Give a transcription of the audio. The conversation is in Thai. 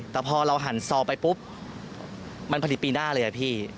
แต่พอเราหันซอไปปุ๊บมันผลิตปีหน้าเลยอะพี่